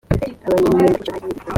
abanyamyuga mu by’ishoramari bivuga